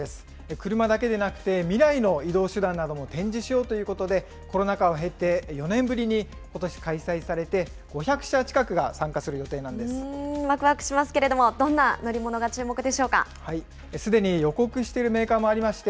車だけでなくて、未来の移動手段なども展示しようということで、コロナ禍を経て、４年ぶりにことし、再開されて、５００社近くが参加する予定わくわくしますけれども、どすでに予告しているメーカーもありまして、